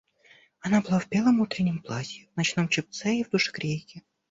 Она была в белом утреннем платье, в ночном чепце и в душегрейке.